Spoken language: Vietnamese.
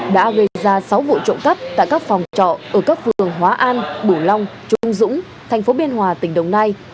đã gây ra sáu vụ trộm cắp tại các phòng trọ ở các phường hóa an bửu long trung dũng tp biên hòa tp đồng nai